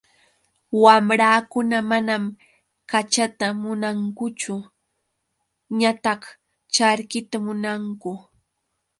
Wamrakuna manam kachata munankuchu ñataq charkita munanku.